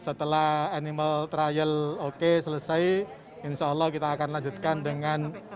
setelah animal trial oke selesai insya allah kita akan lanjutkan dengan